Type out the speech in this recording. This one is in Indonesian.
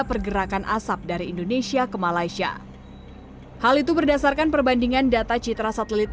pergerakan asap dari indonesia ke malaysia hal itu berdasarkan perbandingan data citra satelit